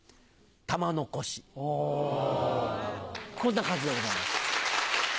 こんな感じでございます。